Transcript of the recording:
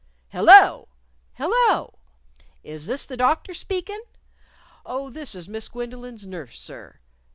"Hello!... Hello! Is this the Doctor speakin'?... Oh, this is Miss Gwendolyn's nurse, sir....